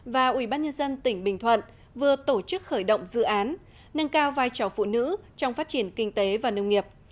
và ubnd tỉnh bình thuận vừa tổ chức khởi động dự án nâng cao vai trò phụ nữ trong phát triển kinh tế và nông nghiệp